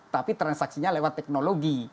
tapi transaksinya lewat teknologi